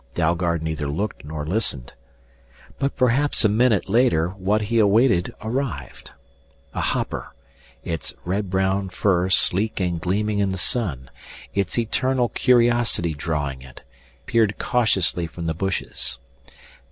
Dalgard neither looked nor listened. But perhaps a minute later what he awaited arrived. A hopper, its red brown fur sleek and gleaming in the sun, its eternal curiosity drawing it, peered cautiously from the bushes.